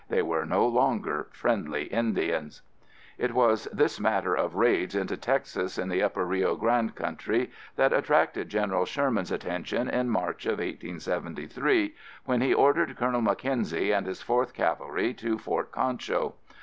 They were no longer "friendly Indians." It was this matter of raids into Texas in the upper Rio Grande country that attracted General Sherman's attention in March of 1873, when he ordered Colonel Mackenzie and his 4th Cavalry to Fort Concho.